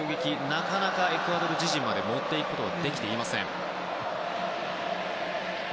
なかなかエクアドル自陣まで持っていけることができていません。